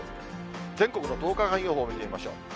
全国の１０日間予報見ていきましょう。